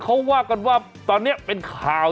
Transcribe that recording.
เขาว่ากันว่าตอนนี้เป็นข่าว